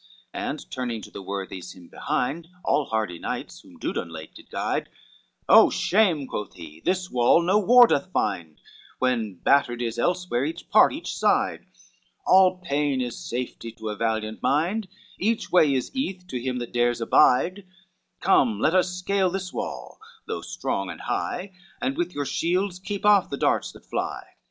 LXXIII And turning to the worthies him behind, All hardy knights, whom Dudon late did guide, "Oh shame," quoth he, "this wall no war doth find, When battered is elsewhere each part, each side; All pain is safety to a valiant mind, Each way is eath to him that dares abide, Come let us scale this wall, though strong and high, And with your shields keep off the darts that fly."